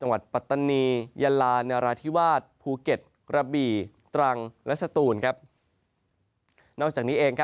วิทยาลาธิวาสพูเก็ตรับบีตรังและสตูน